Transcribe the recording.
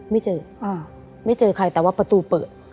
ไม่เจอไม่เจอใครแต่ว่าประตูเปิด